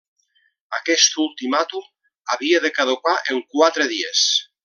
Aquest ultimàtum havia de caducar en quatre dies.